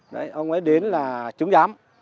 đấy ông ấy đến là chứng giám